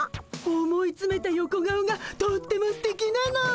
思いつめた横顔がとってもすてきなの。